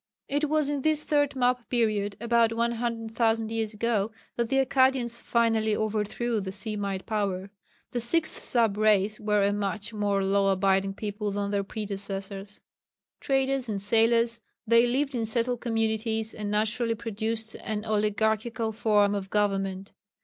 It was in the third map period, about 100,000 years ago, that the Akkadians finally overthrew the Semite power. This 6th sub race were a much more law abiding people than their predecessors. Traders and sailors, they lived in settled communities, and naturally produced an oligarchical form of government.